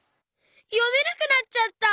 よめなくなっちゃった！